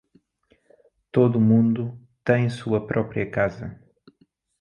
Todo mundo tem sua própria casa.